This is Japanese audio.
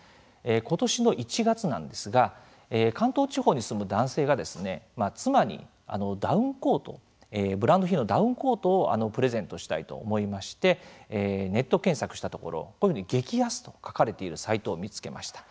ことしの１月なんですが関東地方に住む男性が妻にブランド品のダウンコートをプレゼントしたいと思いましてネット検索したところこういうふうに激安と書かれているサイトを見つけました。